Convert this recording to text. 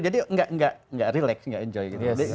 jadi nggak relax nggak enjoy gitu